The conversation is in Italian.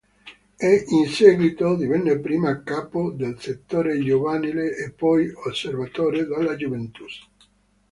In seguito divenne prima capo del settore giovanile e poi osservatore della Juventus.